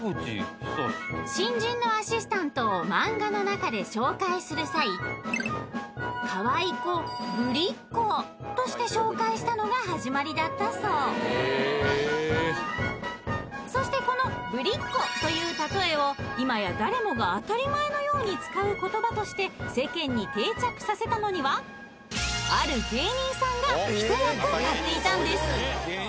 新人のアシスタントを漫画の中で紹介する際かわいこ「ぶりっこ」として紹介したのが始まりだったそうそしてこの「ぶりっ子」というたとえを今や誰もが当たり前のように使う言葉として世間に定着させたのにはある芸人さんが一役買っていたんです！